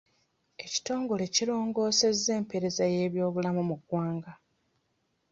Ekitongole kirongoosezza empeereza z'ebyobulamu mu Uganda.